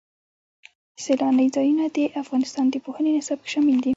سیلانی ځایونه د افغانستان د پوهنې نصاب کې شامل دي.